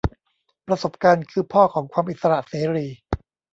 ประสบการณ์คือพ่อของความอิสระเสรี